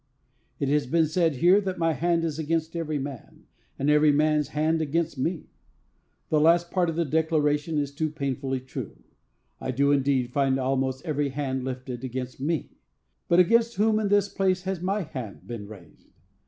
"It has been said here, that my hand is against every man, and every man's hand against me. The last part of the declaration is too painfully true. I do indeed find almost every hand lifted against me; but against whom in this place has my hand been raised?